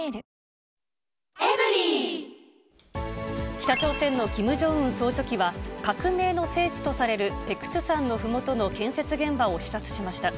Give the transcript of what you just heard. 北朝鮮のキム・ジョンウン総書記は、革命の聖地とされるペクトゥ山のふもとの建設現場を視察しました。